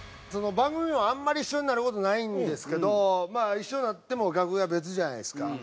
番組もあんまり一緒になる事ないんですけど一緒になっても楽屋別じゃないですか。